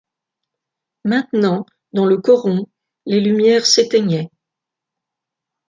Maintenant, dans le coron, les lumières s’éteignaient.